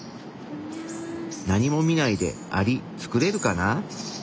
何も見ないでアリ作れるかな？